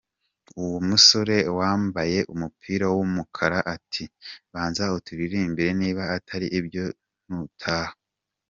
Uwo musore wambaye umupira w'umukara ati: "Banza uturirimbire niba atari ibyo ntutaha!!!".